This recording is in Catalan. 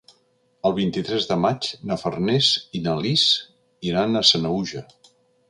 El vint-i-tres de maig na Farners i na Lis iran a Sanaüja.